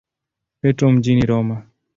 Petro mjini Roma.